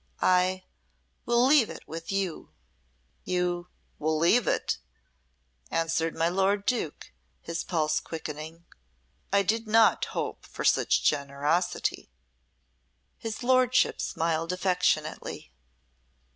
I will leave it with you." "You will leave it!" answered my lord Duke his pulse quickening. "I did not hope for such generosity." His lordship smiled affectionately.